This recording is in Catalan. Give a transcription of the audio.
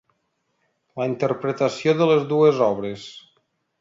La interpretació de les dues obres.